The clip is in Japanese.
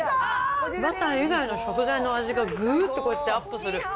バター以外の食材の味がぐーっとこうやってアップする。